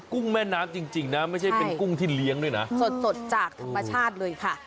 ุ้งแม่น้ำจริงนะไม่ใช่เป็นกุ้งที่เลี้ยงด้วยนะสดสดจากธรรมชาติเลยค่ะ